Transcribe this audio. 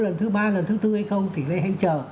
lần thứ ba lần thứ tư hay không thì hãy chờ